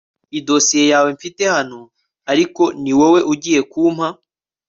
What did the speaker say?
idosiye yawe mfite hano ariko niwowe ugiye kumpa